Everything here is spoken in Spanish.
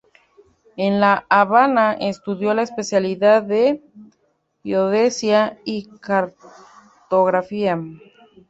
En La Habana estudió la especialidad de Geodesia y Cartografía.